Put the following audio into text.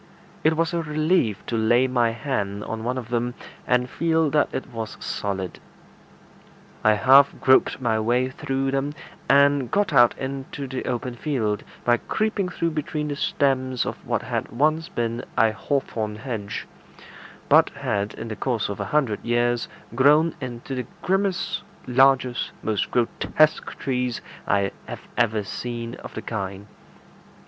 It was a relief to lay my hand on one of them, and feel that it was solid. I half groped my way through them, and got out into the open field, by creeping through between the stems of what had once been a hawthorn hedge, but had in the course of a hundred years grown into the grimmest, largest, most grotesque trees I have ever seen of the kind.